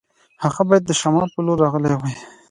هغه باید د شمال په لور راغلی وای.